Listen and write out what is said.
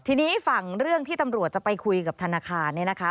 ทีนี้ฝั่งเรื่องที่ตำรวจจะไปคุยกับธนาคารเนี่ยนะคะ